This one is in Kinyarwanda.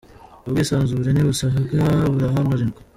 Ubwisanzure ntibusabwa buraharanirwa